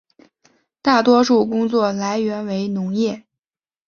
大多数工作来源为农业。